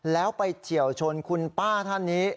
แล้วไปเฉียวชนคุณป้าท่านนี้